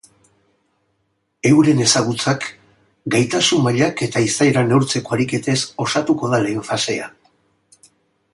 Euren ezagutzak, gaitasun-mailak eta izaera neurtzeko ariketez osatuko da lehen fasea.